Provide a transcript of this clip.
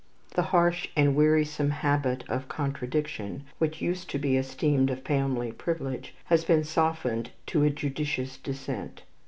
The harsh and wearisome habit of contradiction, which used to be esteemed a family privilege, has been softened to a judicious dissent.